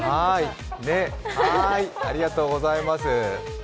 はーい、ありがとうございます。